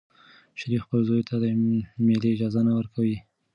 شریف خپل زوی ته د مېلې اجازه نه ورکوي.